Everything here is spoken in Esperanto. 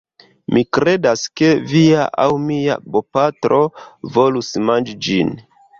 Mi kredas, ke via... aŭ mia bopatro volus manĝi ĝin.